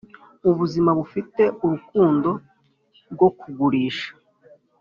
ubuzima bufite urukundo rwo kugurisha,